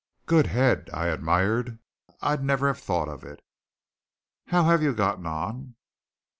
"Good head!" I admired. "I'd never have thought of it. How have you gotten on?"